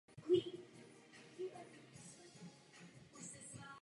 Worf však má jiný názor.